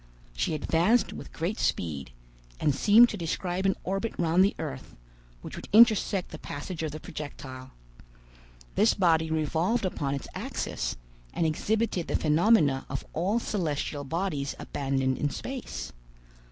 She advanced with great speed, and seemed to describe an orbit round the earth, which would intersect the passage of the projectile. This body revolved upon its axis, and exhibited the phenomena of all celestial bodies abandoned in space.